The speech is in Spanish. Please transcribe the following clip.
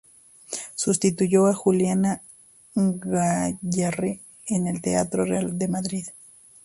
Sustituyó a Julián Gayarre en el Teatro Real de Madrid.